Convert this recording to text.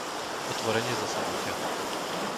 Otvorenie zasadnutia